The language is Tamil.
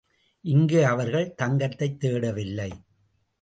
இங்கு அவர்கள் தங்கத்தைத் தேடவில்லை.